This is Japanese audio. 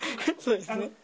そうですね。